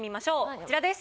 こちらです。